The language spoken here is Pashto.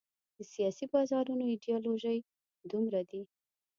د سیاسي بازارونو ایډیالوژۍ دومره دي.